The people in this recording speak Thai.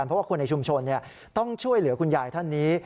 เพราะว่าคนในชุมชนต้องช่วยเหลือคุณยายท่านนี้